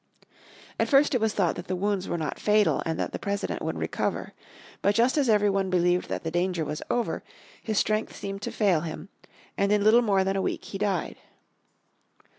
At first it was thought that the wounds were not fatal, and that the President would recover. But just as every one believed that the danger was over his strength seemed to fail him, and in little more than a week he died.